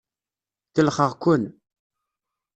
Kellxeɣ-ken.